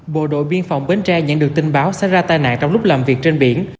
bộ đội biên phòng bến tre nhận được tin báo xảy ra tai nạn trong lúc làm việc trên biển